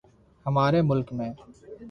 ہمارے ملک میں